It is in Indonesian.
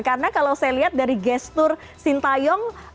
karena kalau saya lihat dari gestur sintayong